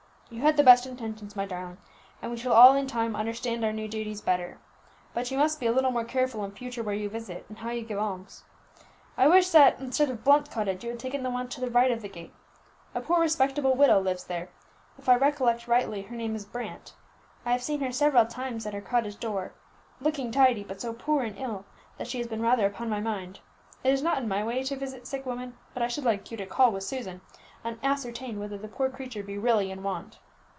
"You had the best intentions, my darling, and we shall all in time understand our new duties better. But you must be a little more careful in future where you visit, and how you give alms. I wish that instead of Blunt's cottage you had taken the one to the right of the gate. A poor respectable widow lives there; if I recollect rightly, her name is Brant. I have seen her several times at her cottage door, looking tidy, but so poor and so ill that she has been rather upon my mind. It is not in my way to visit sick women, but I should like you to call with Susan, and ascertain whether the poor creature be really in want."